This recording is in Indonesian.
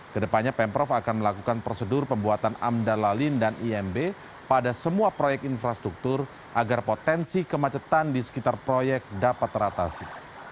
kedepannya pemprov akan melakukan prosedur pembuatan amdal lalin dan imb pada semua proyek infrastruktur agar potensi kemacetan di sekitar proyek dapat teratasi